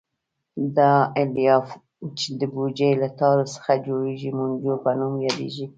دا الیاف چې د بوجۍ له تارو څخه جوړېږي مونجو په نوم یادیږي.